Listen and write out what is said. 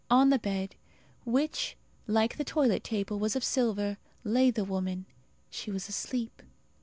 On the bed, which, like the toilet table, was of silver, lay the woman; she was asleep.